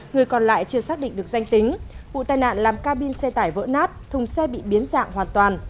người còn lại chưa xác định được danh tính vụ tai nạn làm ca bin xe tải vỡ nát thùng xe bị biến dạng hoàn toàn